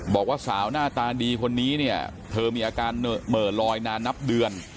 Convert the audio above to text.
บอกว่าสาวหน้าตาดีคนนี้เนี่ยเธอมีอาการเหม่อลอยนานนับเดือน